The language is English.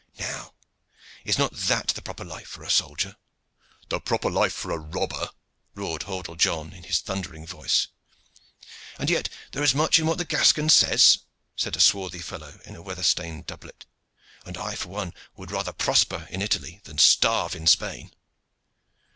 Now, is not that the proper life for a soldier?" "The proper life for a robber!" roared Hordle John, in his thundering voice. "And yet there is much in what the Gascon says," said a swarthy fellow in a weather stained doublet; "and I for one would rather prosper in Italy than starve in Spain."